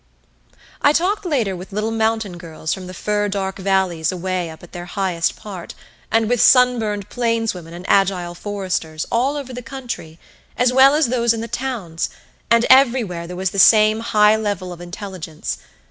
I talked later with little mountain girls from the fir dark valleys away up at their highest part, and with sunburned plains women and agile foresters, all over the country, as well as those in the towns, and everywhere there was the same high level of intelligence.